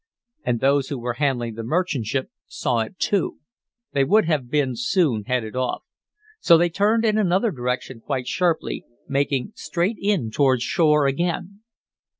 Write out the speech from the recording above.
And those who were handling the merchant ship saw it, too; they would have been soon headed off. So they turned in another direction quite sharply, making straight in toward shore again.